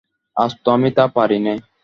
আজ তো আমি তা পারি নে।